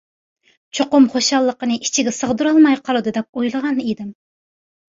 چوقۇم خۇشاللىقىنى ئىچىگە سىغدۇرالماي قالىدۇ دەپ ئويلىغان ئىدىم.